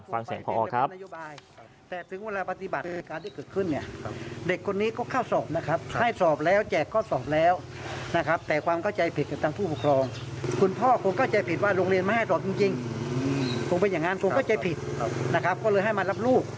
ฟังแสงพ่อครับ